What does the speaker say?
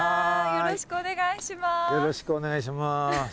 よろしくお願いします。